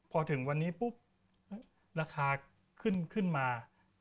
พอถึงวันนี้ปุ๊บราคาขึ้นมา